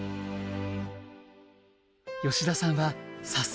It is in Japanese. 吉田さんは早速連絡。